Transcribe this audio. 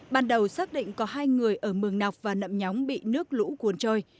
ban đầu xác định có hai người ở mường nọc và nậm nhóng bị nước lũ cuốn trôi